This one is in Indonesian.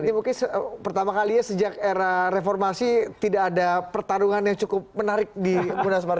ini mungkin pertama kalinya sejak era reformasi tidak ada pertarungan yang cukup menarik di munasmar